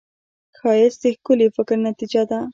ښایست د ښکلي فکر نتیجه ده